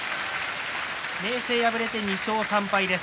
明生に敗れて２勝３敗です。